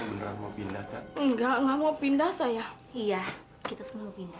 enggak mau pindah saya iya kita semua pindah